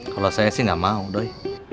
kalo saya sih gak mau doi